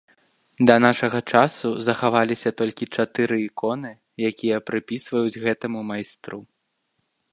Да нашага часу захаваліся толькі чатыры іконы, якія прыпісваюць гэтаму майстру.